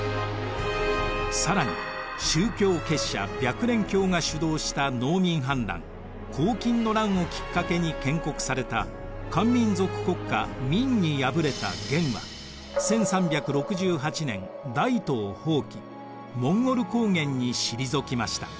更に宗教結社白蓮教が主導した農民反乱紅巾の乱をきっかけに建国された漢民族国家明にやぶれた元は１３６８年大都を放棄モンゴル高原に退きました。